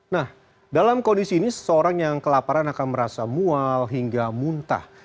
nah dalam kondisi ini seseorang yang kelaparan akan merasa mual hingga muntah